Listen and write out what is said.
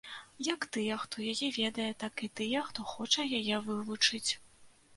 Як тыя, хто яе ведае, так і тыя, хто хоча яе вывучыць.